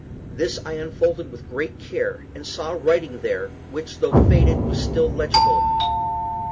This I unfolded with great care, and saw writing there, which, though faded, was still legible.